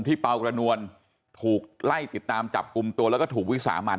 เป่ากระนวลถูกไล่ติดตามจับกลุ่มตัวแล้วก็ถูกวิสามัน